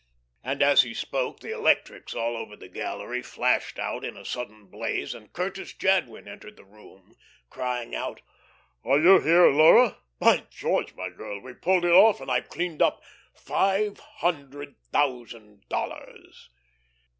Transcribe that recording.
And as he spoke the electrics all over the gallery flashed out in a sudden blaze, and Curtis Jadwin entered the room, crying out: "Are you here, Laura? By George, my girl, we pulled it off, and I've cleaned up five hundred thousand dollars."